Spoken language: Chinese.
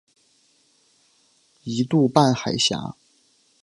一度半海峡。